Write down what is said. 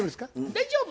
大丈夫！